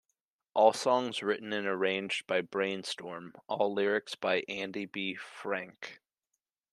All songs written and arranged by Brainstorm, all lyrics by Andy B. Franck.